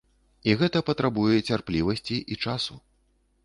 І гэта патрабуе цярплівасці і часу.